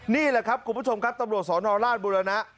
นี่แหละครับคุณผู้ชมครับตำรวจสนราชบุรณะ